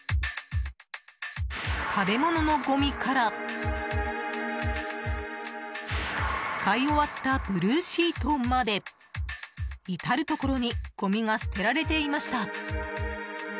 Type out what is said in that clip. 食べ物のごみから使い終わったブルーシートまで至るところにごみが捨てられていました。